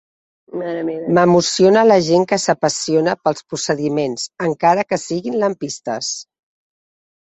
M'emociona la gent que s'apassiona pels procediments, encara que siguin lampistes.